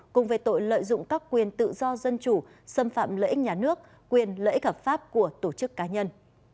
cùng về tội lợi dụng các quyền tự do dân chủ xâm phạm lợi ích nhà nước quyền lợi ích hợp pháp của tổ chức cá nhân